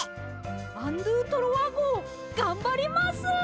アン・ドゥ・トロワごうがんばります！